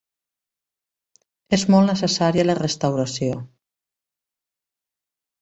És molt necessària la restauració.